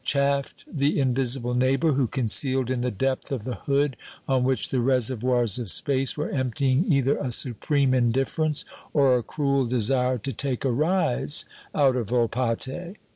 chaffed the invisible neighbor, who concealed in the depth of the hood on which the reservoirs of space were emptying either a supreme indifference or a cruel desire to take a rise out of Volpatte.